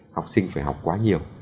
học sinh phải học quá nhiều